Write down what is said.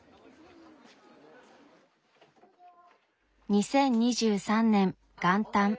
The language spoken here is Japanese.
２０２３年元旦。